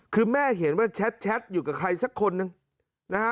คือแม่เห็นว่าแชทอยู่กับใครสักคนหนึ่งนะฮะ